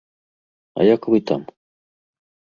А як вы там?